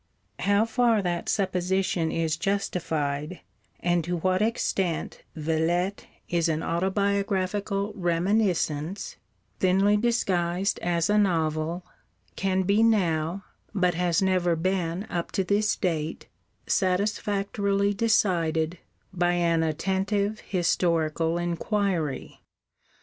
How far that supposition is justified, and to what extent Villette is an autobiographical reminiscence, thinly disguised as a novel, can be now, but has never been up to this date, satisfactorily decided, by an attentive historical enquiry.